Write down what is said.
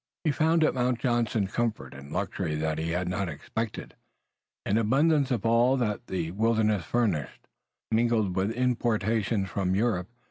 He found at Mount Johnson comfort and luxury that he had not expected, an abundance of all that the wilderness furnished, mingled with importations from Europe.